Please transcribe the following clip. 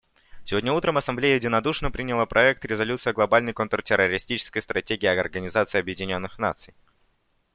Сегодня утром Ассамблея единодушно приняла проект резолюции о Глобальной контртеррористической стратегии Организации Объединенных Наций.